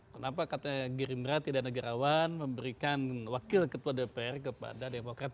kenapa katanya gerindra tidak negarawan memberikan wakil ketua dpr kepada demokrat